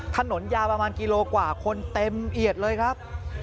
ถนนยาวประมาณกิโลกว่าคนเต็มเอียดเลยครับ